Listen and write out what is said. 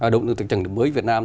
động lực tăng trưởng mới việt nam